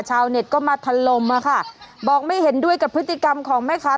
ชาวเน็ตก็มาทันลมอ่ะค่ะบอกไม่เห็นด้วยกับพฤติกรรมของแม่ค้า